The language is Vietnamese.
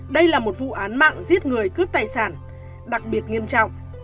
đây là một vụ án mạng giết người cướp tài sản đặc biệt nghiêm trọng